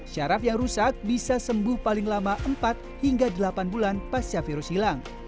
syaraf yang rusak bisa sembuh paling lama empat hingga delapan bulan pasca virus hilang